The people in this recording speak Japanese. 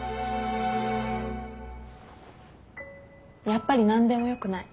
やっぱり何でもよくない。